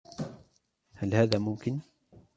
هل هذا ممكن؟